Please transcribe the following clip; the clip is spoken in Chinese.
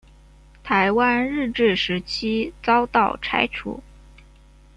台湾日治时期遭到拆除。